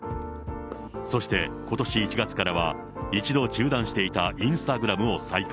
そしてことし１月からは、一度中断していたインスタグラムを再開。